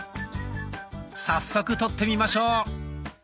早速撮ってみましょう。